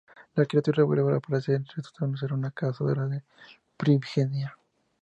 La criatura vuelve a aparecer y resulta ser una cazadora, la Primigenia.